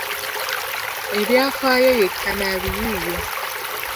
Ebyafaayo ye kannabiyiiye